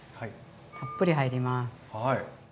たっぷり入ります。